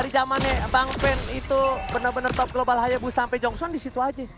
namanya bang pen itu benar benar top global hayabu sampai jongson di situ aja